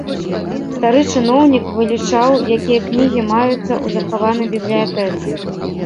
Стары чыноўнік вылічаў, якія кнігі маюцца ў захаванай бібліятэцы.